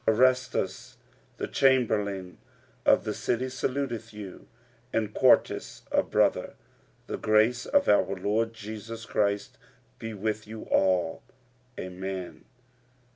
Erastus the chamberlain of the city saluteth you, and Quartus a brother. 45:016:024 The grace of our Lord Jesus Christ be with you all. Amen.